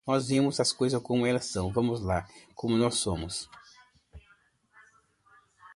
Nós não vemos as coisas como elas são, vemo-las como nós somos.